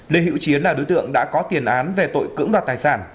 lê hữu chiến là đối tượng đã có tiền án về tội cưỡng đoạt tài sản